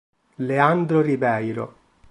Leandro Ribeiro